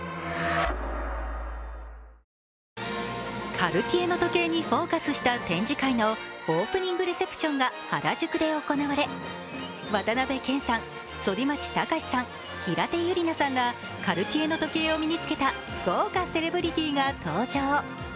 カルティエの時計にフォーカスした展示会のオープニングレセプションが原宿で行われ、渡辺謙さん、反町隆史さん、平手友梨奈さんらカルティエの時計を身に着けた豪華セレブリティーが登場。